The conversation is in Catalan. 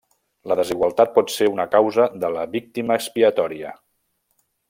La desigualtat pot ser una causa de la víctima expiatòria.